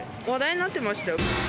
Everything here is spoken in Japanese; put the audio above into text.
話題になってましたよ。